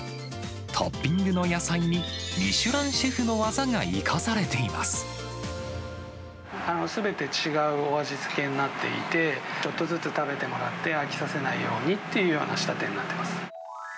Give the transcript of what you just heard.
トッピングの野菜に、ミシュランすべて違うお味付けになっていて、ちょっとずつ食べてもらって、飽きさせないようにっていうような仕立てになってます。